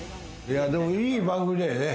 いい番組だよね。